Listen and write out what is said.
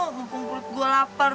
kumpul gue lapar